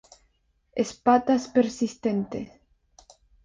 Espata persistente.